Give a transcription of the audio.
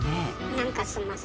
なんかすんません。